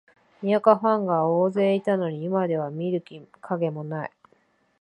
にわかファンが大勢いたのに、今では見る影もない